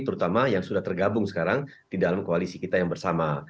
terutama yang sudah tergabung sekarang di dalam koalisi kita yang bersama